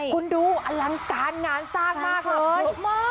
คุณดูอลังการงานสร้างมากเลย